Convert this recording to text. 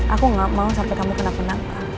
aku gak mau sampai kamu kena kena